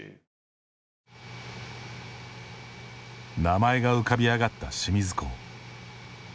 名前が浮かび上がった清水港。